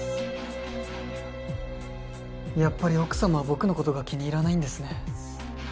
やっぱり奥様は僕の事が気に入らないんですね。